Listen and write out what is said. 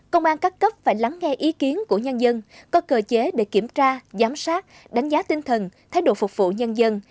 công an các cấp phải lắng nghe ý kiến của nhân dân có cơ chế để kiểm tra giám sát đánh giá tinh thần thái độ phục vụ nhân dân